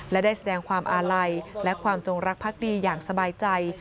และได้แสดงความอาลัยและความจงรักพักดีอย่างสบายใจ